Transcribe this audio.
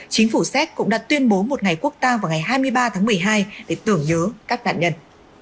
chính phủ séc cũng đã tuyên bố một ngày quốc ta vào ngày hai mươi ba tháng một mươi hai để tưởng nhớ các nạn nhân